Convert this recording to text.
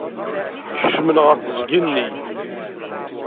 Kecmen ɣer teẓgi-nni.